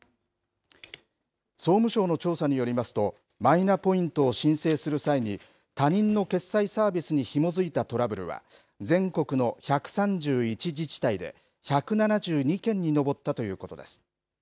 総務省の調査によりますと、マイナポイントを申請する際に、他人の決済サービスにひも付いたトラブルは、全国の１３１自治体で１７２件に上ったということです。